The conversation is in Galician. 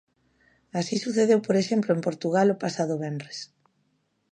Así sucedeu por exemplo en Portugal o pasado venres.